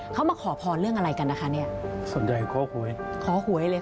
เขามาขอพรเรื่องอะไรกันนะคะเนี่ยส่วนใหญ่ขอหวยขอหวยเลย